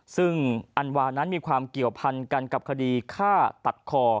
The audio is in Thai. ซึ่งอันวานั้นมีความเกี่ยวพันกันกับคดีฆ่าตัดคอ